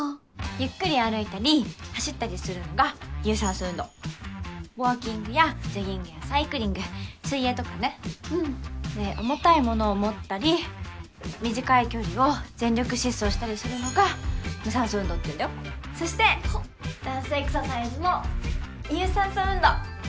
ゆっくり歩いたり走ったりするのが有酸素運動ウォーキングやジョギングやサイクリング水泳とかねで重たいものを持ったり短い距離を全力疾走したりするのが無酸素運動っていうんだよそしてダンスエクササイズも有酸素運動